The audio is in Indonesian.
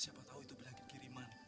siapa tahu itu penyakit kiriman